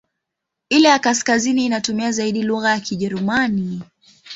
Ile ya kaskazini inatumia zaidi lugha ya Kijerumani.